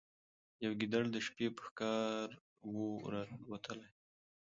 یو ګیدړ د شپې په ښکار وو راوتلی